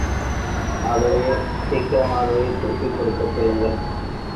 ஆகவே சீக்கிரமாகவே திருப்பிக் கொடுக்கச் சொல்லுங்கள்.